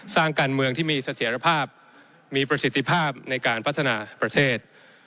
สร้างการเมืองที่มีเสถียรภาพมีประสิทธิภาพในการพัฒนาประเทศ